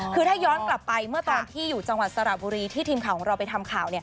คือถ้าย้อนกลับไปเมื่อตอนที่อยู่จังหวัดสระบุรีที่ทีมข่าวของเราไปทำข่าว